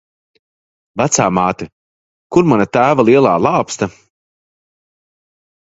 Vecāmāte, kur mana tēva lielā lāpsta?